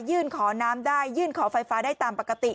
ขอน้ำได้ยื่นขอไฟฟ้าได้ตามปกติ